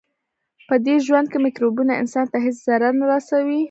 پدې ژوند کې مکروبونه انسان ته هیڅ ضرر نه رسوي.